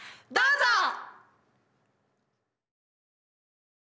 どうぞ！